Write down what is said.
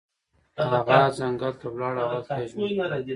هغه ځنګل ته لاړ او هلته یې ژوند کاوه.